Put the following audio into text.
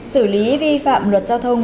xử lý vi phạm luật giao thông